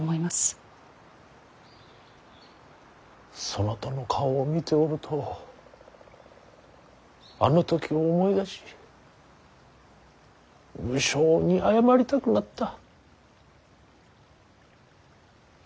そなたの顔を見ておるとあの時を思い出し無性に謝りたくなった。